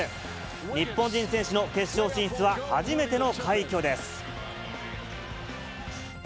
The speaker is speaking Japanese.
日本人選手の決勝進出は初めての快挙です。